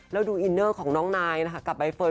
แล้วดูอินเนอร์ของน้องนายนะคะกับใบเฟิร์